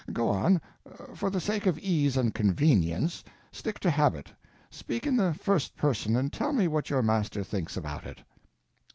Go on; for the sake of ease and convenience, stick to habit: speak in the first person, and tell me what your Master thinks about it.